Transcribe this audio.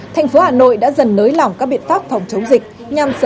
trước tình trạng này